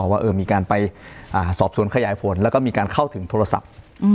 ว่ามีการไปสอบสวนขยายผลแล้วก็มีการเข้าถึงโทรศัพท์